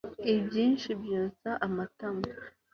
ibyinshi byotsa amatama